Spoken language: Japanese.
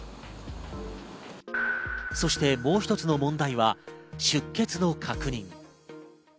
そしてもう一つの問題は、出欠の確認。